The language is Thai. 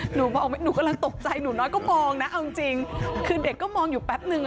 หนูกำลังตกใจหนูน้อยก็มองนะเอาจริงคือเด็กก็มองอยู่แป๊บนึง